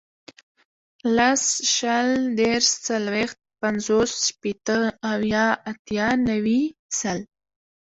لس, شل, دېرش, څلوېښت, پنځوس, شپېته, اویا, اتیا, نوي, سل